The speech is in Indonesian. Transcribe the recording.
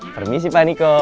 permisi pak niko